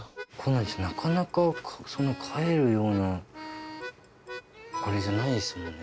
なかなかそんな飼えるようなあれじゃないですもんね。